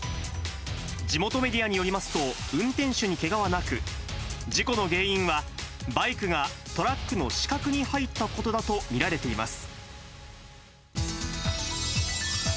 地元メディアによりますと、運転手にけがはなく、事故の原因は、バイクがトラックの死角に入ったことだと見られています。